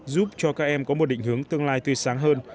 giúp cho các em có một định hướng tương lai tươi sáng hơn